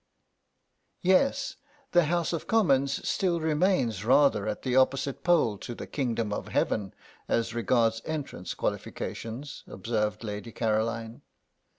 "Yes, the House of Commons still remains rather at the opposite pole to the Kingdom of Heaven as regards entrance qualifications," observed Lady Caroline.